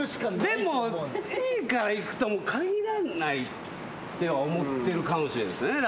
でもＡからいくとも限らないって思ってるかもしれないっすねだから。